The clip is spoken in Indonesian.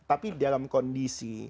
tapi dalam kondisi